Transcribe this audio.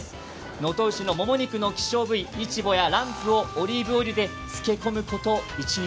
能登牛のもも肉の希少部位、いちぼやランプをオリーブオイルで漬け込むこと１日。